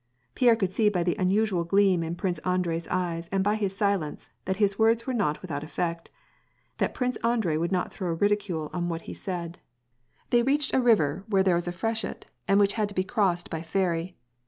Pierre could see by the unusual gleam in Prince Andrei's eyes and by his silence, that his words were not with out effect, that Prince Andrei would not throw ridicule on what he said. WAR AND PEACE. 117 They reached a river where there was a freshet, and which had to be crossed by ferry.